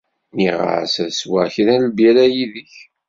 Nniɣ-as ad sweɣ kra n lbira yid-k.